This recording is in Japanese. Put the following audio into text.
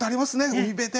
海辺で。